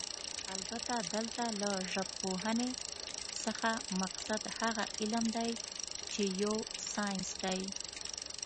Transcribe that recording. البته دلته له ژبپوهنې څخه مقصد هغه علم دی چې يو ساينس دی